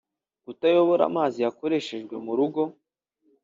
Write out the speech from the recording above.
Kutayobora amazi yakoreshejwe mu rugo